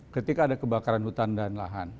ketika ada kebakaran hutan dan lahan